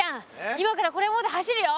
今からこれ持って走るよ。